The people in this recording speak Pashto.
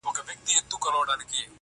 • وينه د وجود مي ده ژوندی يم پرې.